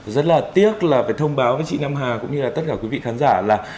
rất là tiếc là phải thông báo với chị nam hà cũng như là tất cả quý vị khán giả là